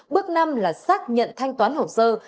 bước năm là xác nhận thanh toán hồ sơ